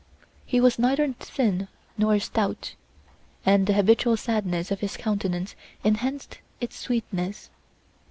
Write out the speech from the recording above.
He was neither thin nor stout, and the habitual sadness of his countenance enhanced its sweetness.